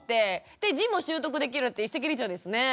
で字も習得できるって一石二鳥ですね。